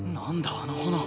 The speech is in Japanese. あの炎。